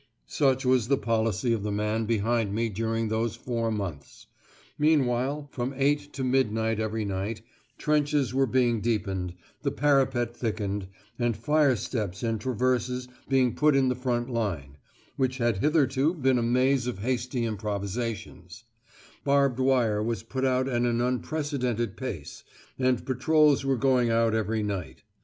Such was the policy of the man behind me during those four months. Meanwhile, from eight to midnight every night, trenches were being deepened, the parapet thickened, and fire steps and traverses being put in the front line, which had hitherto been a maze of hasty improvisations; barbed wire was put out at an unprecedented pace, and patrols were going out every night.